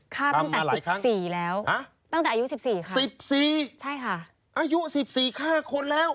ฆ่าตั้งแต่๑๔แล้ว